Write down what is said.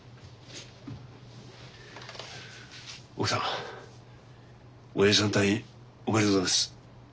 奥さんおやじさんの退院おめでとうございます。